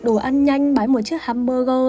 đồ ăn nhanh bái một chiếc hamburger